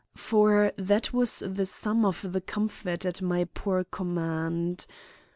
For that was the sum of the comfort at my poor command.